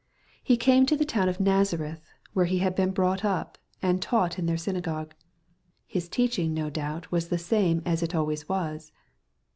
He came to the town of Nazareth^ where He had been brought up, and " taught in their synagogue." His teaching, no doubt, was the same as it always was.